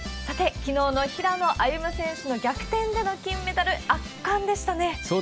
さて、きのうの平野歩夢選手の逆転での金メダル、圧巻でしたね。